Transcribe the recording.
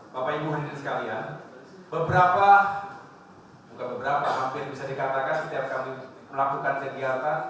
bapak ibu hadirin sekalian beberapa bukan beberapa hampir bisa dikatakan setiap kami melakukan kegiatan